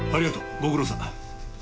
ご苦労さん。